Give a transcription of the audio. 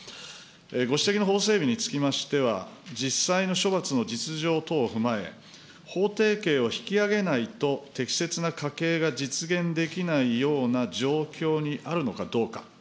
ご指摘の法整備につきましては、実際の処罰の実情等を踏まえ、法定刑を引き上げないと適切な科刑が実現できないような状況にあるのかどうか。